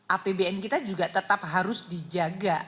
apbn kita juga tetap harus dijaga